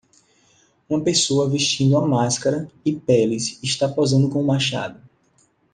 Uma pessoa vestindo uma máscara e peles está posando com um machado.